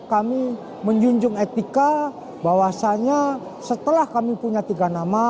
kami menjunjung etika bahwasannya setelah kami punya tiga nama